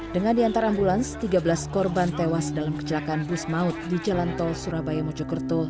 dengan di antara ambulans tiga belas korban tewas dalam kecelakaan bus maut di jalan tol surabaya mojokerto